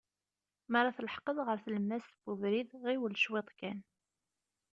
Mi ara tleḥqeḍ ɣer tlemmas n ubrid, ɣiwel cwiṭ kan.